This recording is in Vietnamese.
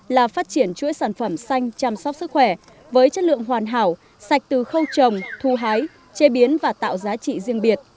là phát triển chuỗi sản phẩm xanh chăm sóc sức khỏe với chất lượng hoàn hảo sạch từ khâu trồng thu hái chế biến và tạo giá trị riêng biệt